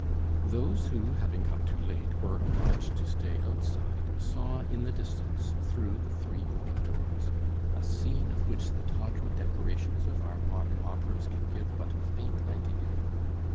Those who, having come too late, were obliged to stay outside, saw in the distance, through the three open doors, a scene of which the tawdry decorations of our modern operas can give but a faint idea.